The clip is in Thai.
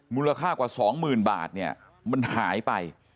มูลค่ากว่า๒๐๐๐บาทเนี่ยมันหายไป